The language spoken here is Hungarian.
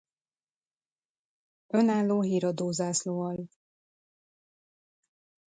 Önálló Híradó Zászlóalj.